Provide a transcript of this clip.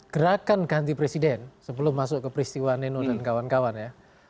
gerakan ganti presiden sebelum masuk ke peristiwa neno dan kawan kawan ya